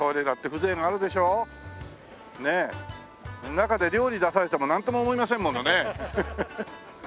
中で料理出されてもなんとも思いませんものね。